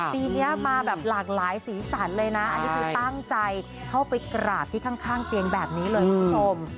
ปีนี้มาแบบหลากหลายสีสันเลยนะอันนี้คือตั้งใจเข้าไปกราบที่ข้างเตียงแบบนี้เลยคุณผู้ชม